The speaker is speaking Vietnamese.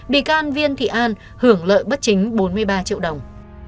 bị can viên thị an hưởng lợi bất chính bốn mươi ba triệu đồng